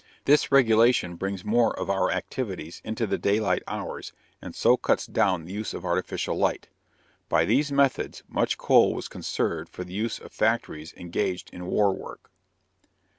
This regulation brings more of our activities into the daylight hours and so cuts down the use of artificial light. By these methods much coal was conserved for the use of factories engaged in war work.